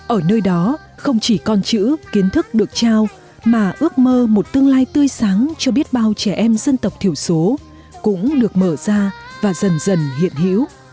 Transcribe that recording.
ở nơi đó không chỉ con chữ kiến thức được trao mà ước mơ một tương lai tươi sáng cho biết bao trẻ em dân tộc thiểu số cũng được mở ra và dần dần hiện hiểu